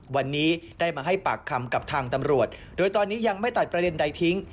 วันนี้ได้มาให้ปากคำกับทางตำรวจโดยตอนนี้ยังไม่ตัดประเด็นใดทิ้ง